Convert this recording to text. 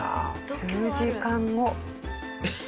数時間後。